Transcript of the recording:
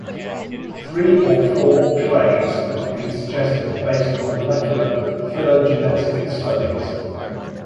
Three or four clades have been suggested based on molecular phylogenetic studies.